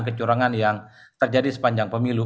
kecurangan yang terjadi sepanjang pemilu